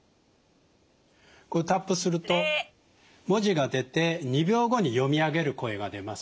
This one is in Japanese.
こうタップすると文字が出て２秒後に読み上げる声が出ます。